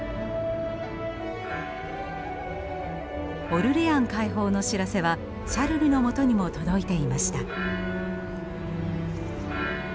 オルレアン解放の知らせはシャルルのもとにも届いていました。